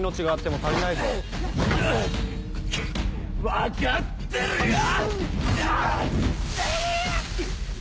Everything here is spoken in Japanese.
分かってるよ‼